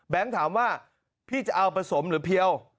ถามว่าพี่จะเอาผสมหรือเพียว